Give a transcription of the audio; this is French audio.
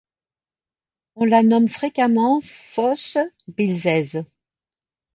On la nomme fréquemment Foce-Bilzese.